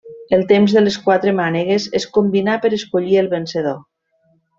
El temps de les quatre mànegues es combinà per escollir el vencedor.